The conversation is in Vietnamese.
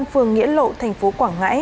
phường nghĩa lộ tp quảng ngãi